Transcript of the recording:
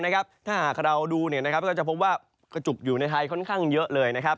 ถ้าหากเราดูก็จะพบว่ากระจุกอยู่ในไทยค่อนข้างเยอะเลยนะครับ